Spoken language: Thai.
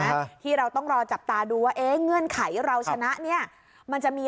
ที่เราต้องรอจับตาดูว่าเอ๊ะเงื่อนไขเราชนะเนี่ยมันจะมี